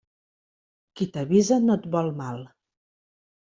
Qui t'avisa no et vol mal.